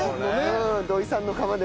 土井さんのね。